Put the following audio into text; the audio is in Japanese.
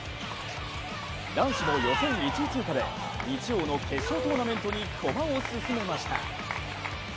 男子も予選１位通過で日曜の決勝トーナメントに駒を進めました。